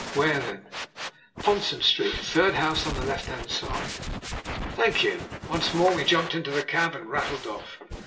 "Where then?" "Ponson Street third house on the left hand side." "Thank you." Once more we jumped into the cab and rattled off.